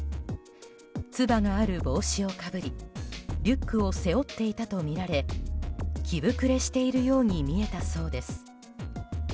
つばがある帽子をかぶりリュックを背負っていたとみられ着ぶくれしているように見えたそうです。